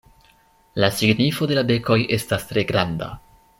La signifo de la bekoj estas tre granda.